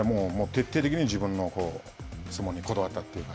徹底的に自分の相撲にこだわったというか。